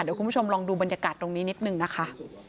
เดี๋ยวคุณผู้ชมลองดูบรรยากาศตรงนี้นิดนึงนะคะ